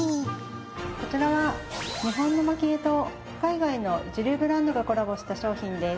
こちらは日本の蒔絵と海外の一流ブランドがコラボした商品です。